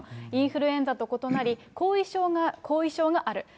インフルエンザと異なり、後遺症がある。